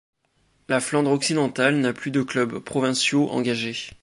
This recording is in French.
La Flandre occidentale n'a plus de clubs provinciaux engagés.